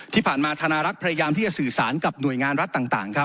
ที่ผ่านมาธนารักษ์พยายามที่จะสื่อสารกับหน่วยงานรัฐต่างครับ